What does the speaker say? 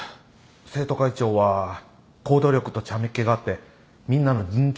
生徒会長は行動力とちゃめっ気があってみんなの人気者でした。